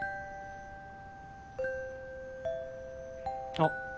あっ！